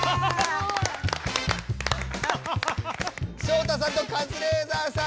照太さんとカズレーザーさん